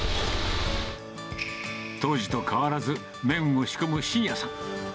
当時と変わらず、麺を仕込む真也さん。